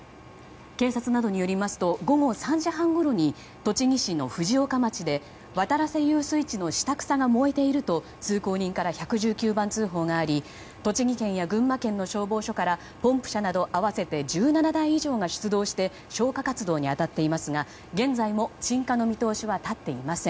警察などによりますと午後３時半ごろ栃木市で渡良瀬遊水地の下草が燃えていると通行人から１１９番通報があり栃木県や群馬県の消防署からポンプ車など合わせて１７台以上が出動して消火活動していますが現在も鎮火の見通しは立っていません。